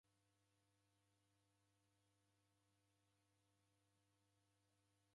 Mtesienyi na chochose uchalomba konyu